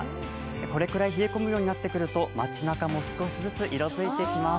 これくらい冷え込むようになってくると街なかも少しずつ色づいてきます。